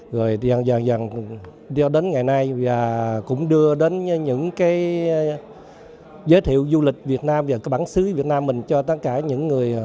rồi dần dần đến ngày nay cũng đưa đến những cái giới thiệu du lịch việt nam và bản xứ việt nam mình cho tất cả những người